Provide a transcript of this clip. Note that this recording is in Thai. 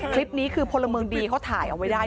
คลิปนี้คือพลเมืองดีเขาถ่ายเอาไว้ได้